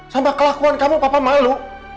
sampai kelakuan kamu papa malu